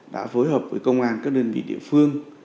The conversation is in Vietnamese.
đã phối hợp với công an các đơn vị địa phương